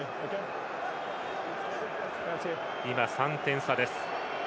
今、３点差です。